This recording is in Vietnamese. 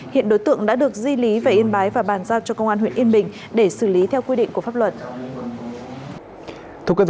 hiện đối tượng đã được di lý về yên bái và bàn giao cho công an huyện yên bình để xử lý theo quy định của pháp luật